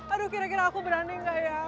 aduh kira kira aku berani gak ya